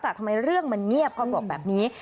แต่ทำไมเรื่องมันเงียบเขาบอกแบบนี้